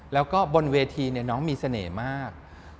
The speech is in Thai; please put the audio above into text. แล้วก็บนเวทีน้องมีเสน่ห์มาก